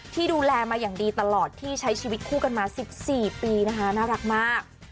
ที่ดูแลมาอย่างดีตลอดที่ใช้ชีวิตคู่กันมา๑๔ปีนะคะน่ารักมาก